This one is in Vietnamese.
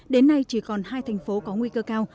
đến nay chỉ còn hai thành phố có nguy cơ cao